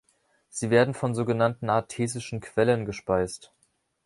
Sie werden von sogenannten artesischen Quellen gespeist.